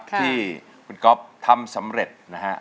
ที่คุณก๊อฟทำสำเร็จนะฮะ